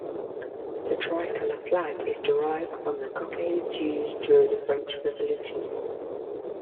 The tricolour flag is derived from the cockades used during the French Revolution.